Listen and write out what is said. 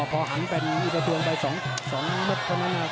พอหังเป็นอุตส่วนใบ๒มัดเขานะครับ